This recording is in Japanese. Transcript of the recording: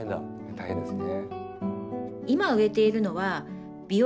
大変ですね。